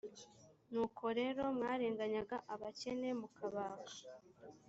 nuko rero mwarenganyaga abakene mukabaka